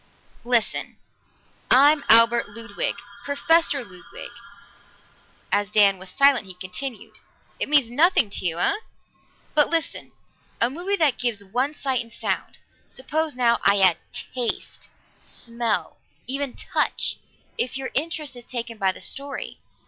"Listen! I'm Albert Ludwig Professor Ludwig." As Dan was silent, he continued, "It means nothing to you, eh? But listen a movie that gives one sight and sound. Suppose now I add taste, smell, even touch, if your interest is taken by the story.